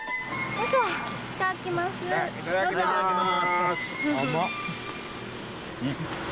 いただきます。